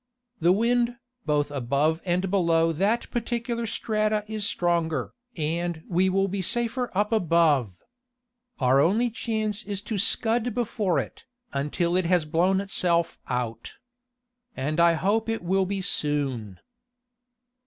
"The wind, both above and below that particular strata is stronger, and we will be safer up above. Our only chance is to scud before it, until it has blown itself out. And I hope it will be soon."